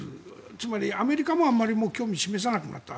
つまり、アメリカもあまりもう興味を示さなくなった。